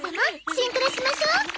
シンクロしましょう。